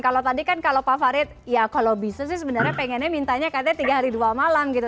kalau tadi kan kalau pak farid ya kalau bisa sih sebenarnya pengennya mintanya katanya tiga hari dua malam gitu